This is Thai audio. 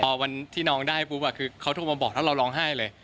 พอวันที่น้องได้ปุ๊บคือเขาโทรมาบอกแล้วเราร้องไห้เลย